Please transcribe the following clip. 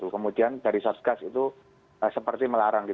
kemudian dari satgas itu seperti melarang